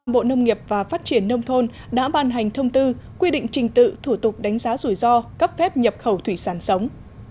bộ nông nghiệp và phát triển nông thôn đã ban hành thông tư quy định trình tự thủ tục đánh giá rủi ro cấp phép nhập khẩu thủy sản sống